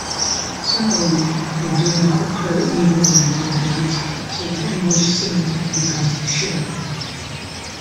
Similarly, and do not occur even in loanwords so that English "cinema" becomes "shinema".